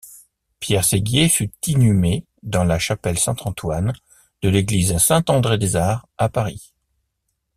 Pierre Séguier fut inhumé dans la chapelle Saint-Antoine de l'église Saint-André-des-Arts à Paris.